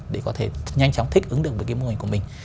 để có thể nhanh chóng thích ứng được với cái mô hình của mình